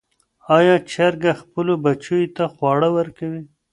آیا چرګه خپلو بچیو ته خواړه ورکوي؟